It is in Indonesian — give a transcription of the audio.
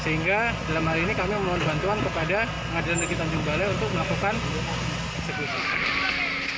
sehingga dalam hal ini kami mohon bantuan kepada pengadilan negeri tanjung balai untuk melakukan eksekusi